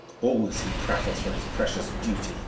"Always he prattles of his precious duty!"